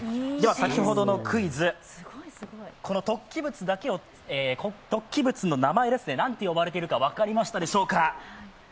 先ほどのクイズ、この突起物の名前、なんて呼ばれているか分かりましたでしょうか。